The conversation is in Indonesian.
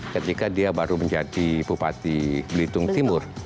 ketika dia baru menjadi bupati belitung timur